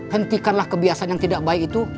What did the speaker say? hentikanlah kebiasaan yang tidak baik itu